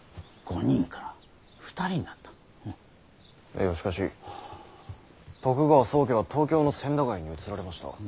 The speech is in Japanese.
いやしかし徳川宗家は東京の千駄ヶ谷に移られました。